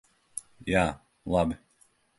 Jā, labi.